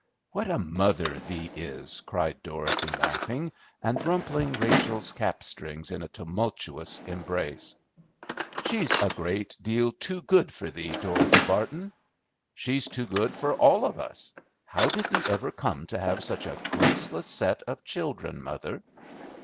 What a mother thee is!" cried Dorothy laughing and rumpling Rachel's cap strings in a tumultuous embrace. "She's a great deal too good for thee, Dorothy Barton." "She's too good for all of us. How did thee ever come to have such a graceless set of children, mother?"